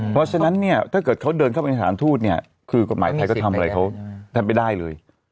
เพราะฉะนั้นถ้าเกิดเขาเดินเข้าไปในการทูตกฎหมายไทยก็ทำอะไรเขาทำไปได้เลย